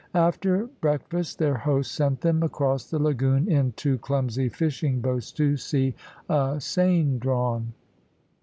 After breakfast their host sent them across the lagoon in two clumsy fishing boats to see a seine drawn.